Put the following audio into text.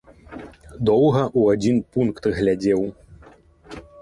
Доўга ў адзін пункт глядзеў.